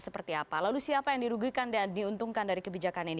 seperti apa lalu siapa yang dirugikan dan diuntungkan dari kebijakan ini